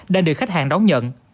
đang được khách hàng đóng nhận